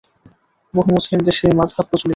বহু মুসলিম দেশে এই মাযহাব প্রচলিত।